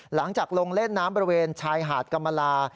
หลังจากลงเล่นน้ำบริเวณชายหาดกรรมลา